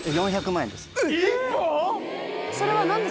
えっ！